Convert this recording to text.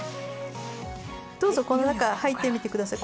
どうぞこの中入ってみて下さい。